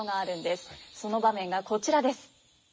その場面がこちらです。